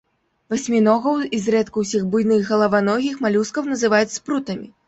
Васьміногаў і зрэдку ўсіх буйных галаваногіх малюскаў называюць спрутамі.